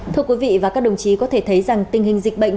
thưa quý vị và các đồng chí có thể thấy rằng tình hình dịch bệnh